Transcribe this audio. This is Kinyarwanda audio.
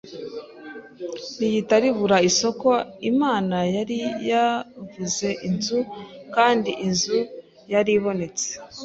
rihita ribura isoko. Imana yari yavuze inzu kandi inzu yaribonetse